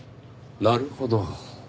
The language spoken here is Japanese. なるほど。